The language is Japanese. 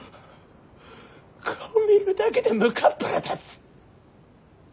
顔見るだけでむかっぱら立つ！